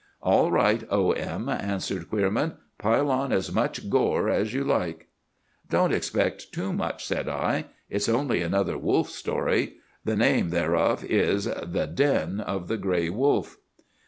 "All right, O. M.," answered Queerman; "pile on as much gore as you like." "Don't expect too much," said I. "It's only another wolf story. The name thereof is— 'THE DEN OF THE GRAY WOLF.